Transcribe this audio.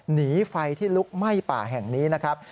หนีไฟที่ลุกไหม้ป่าแห่งนี้นะครับ